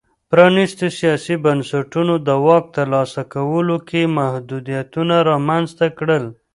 پرانیستو سیاسي بنسټونو د واک ترلاسه کولو کې محدودیتونه رامنځته کړل.